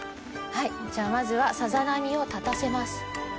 じゃまずはさざ波を立たせます。